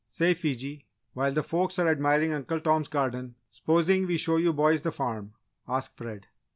"Say, Fiji, while the folks are admiring Uncle Tom's garden s'posing we show you boys the farm," asked Fred.